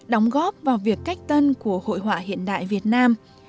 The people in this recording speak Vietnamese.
đóng góp vào việc cách tân của hội họa hiện đại việt nam